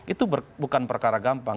itu bukan perkara gampang